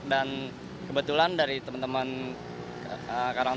dan kebetulan dari teman teman karang